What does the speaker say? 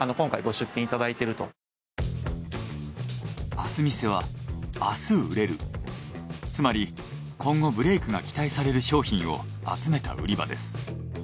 明日見世は明日売れるつまり今後ブレークが期待される商品を集めた売り場です。